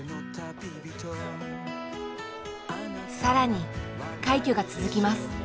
更に快挙が続きます。